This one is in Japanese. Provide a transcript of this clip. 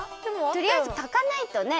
とりあえずたかないとね！